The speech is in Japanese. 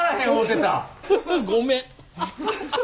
ごめん。